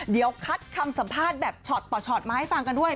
เดี๋ยวคัดคำสัมภาษณ์แบบช็อตต่อช็อตมาให้ฟังกันด้วย